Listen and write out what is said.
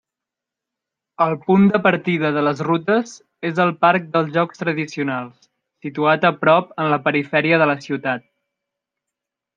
El punt de partida de les rutes és el parc dels Jocs Tradicionals, situat a prop en la perifèria de la ciutat.